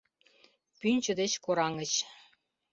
Пӱнчӧ деч кораҥыч.